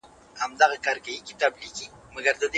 سهار نږدې شوی دی.